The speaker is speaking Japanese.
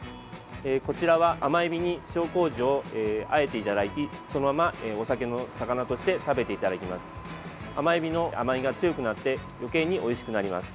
こちらは甘えびに塩をあえていただきそのままお酒の肴として食べていただきます。